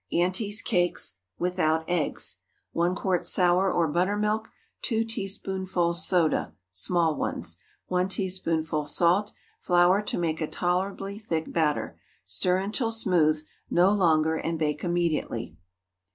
AUNTIE'S CAKES (without eggs). ✠ 1 quart sour or buttermilk. 2 teaspoonfuls soda (small ones). 1 teaspoonful salt. Flour to make a tolerably thick batter. Stir until smooth—no longer—and bake immediately.